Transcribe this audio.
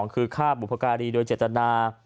คือฆ่าบุพการีโดยเจตนา